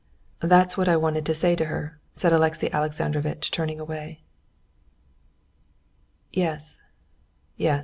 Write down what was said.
"That's what I wanted to say to her," said Alexey Alexandrovitch, turning away. "Yes, yes...."